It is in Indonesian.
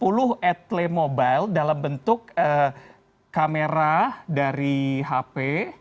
ada juga sepuluh atlet mobile dalam bentuk kamera dari hp